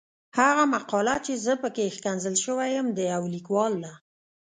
هغه مقاله چې زه پکې ښکنځل شوی یم د يو ليکوال ده.